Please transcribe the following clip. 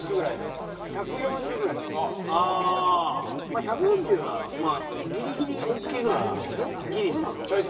まあ１４０はギリギリオーケーぐらいのところですよね。